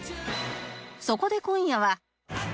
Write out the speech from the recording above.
そこで今夜は